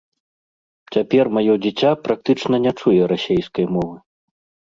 Цяпер маё дзіця практычна не чуе расейскай мовы.